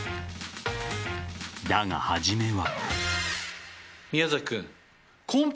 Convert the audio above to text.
だが、初めは。